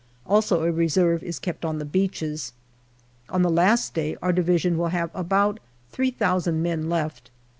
Also a reserve is kept on the beaches. On the last day our Division will have about three thousand men left.